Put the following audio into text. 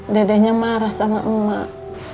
dedehnya marah sama emak